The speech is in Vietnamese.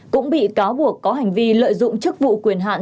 cũng bị cáo buộc có hành vi lợi dụng chức vụ quyền hạn